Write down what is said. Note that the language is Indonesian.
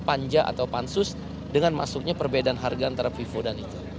pansus atau panjang dengan masuknya perbedaan harga antara pipo dan itu